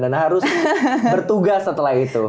dan harus bertugas setelah itu